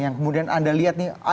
yang kemudian anda lihat nih